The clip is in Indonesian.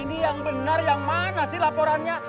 ini yang benar yang mana sih laporannya